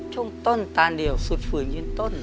ช่วงต้นตานเดี่ยวสุดฝืนยืนต้น